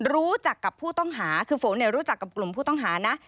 รู้จักกับผู้ต้องหาคือฝนรู้จักกับกลุ่มผู้ต้องหานะ